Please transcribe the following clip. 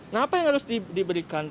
nah apa yang harus diberikan